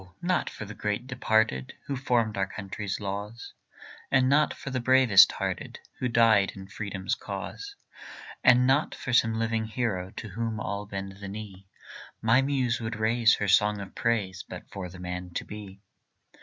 not for the great departed, Who formed our country's laws, And not for the bravest hearted, Who died in freedom's cause, And not for some living hero To whom all bend the knee, My muse would raise her song of praise But for the man to be.